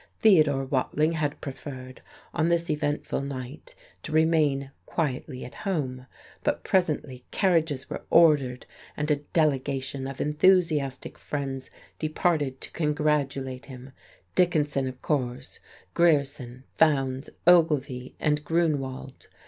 Theodore Watling had preferred, on this eventful night, to remain quietly at home. But presently carriages were ordered, and a "delegation" of enthusiastic friends departed to congratulate him; Dickinson, of course, Grierson, Fowndes, Ogilvy, and Grunewald.